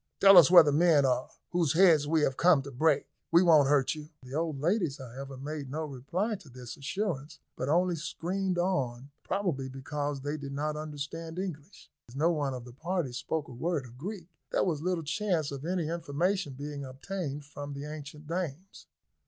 "Tell us where the men are, whose heads we have come to break. We won't hurt you." The old ladies, however, made no reply to this assurance; but only screamed on, probably because they did not understand English. As no one of the party spoke a word of Greek, there was little chance of any information being obtained from the ancient dames.